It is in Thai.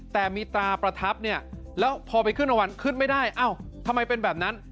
แต่มีตราประทับเนี่ยแล้วพอไปขึ้นรางวัลขึ้นไม่ได้เอ้าทำไมเป็นแบบนั้น